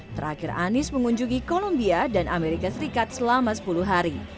terakhir anies mengunjungi columbia dan amerika serikat selama sepuluh hari